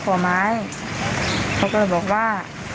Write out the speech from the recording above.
เขาก็เลยบอกว่า